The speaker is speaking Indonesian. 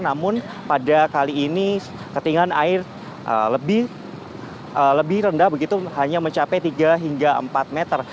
namun pada kali ini ketinggian air lebih rendah begitu hanya mencapai tiga hingga empat meter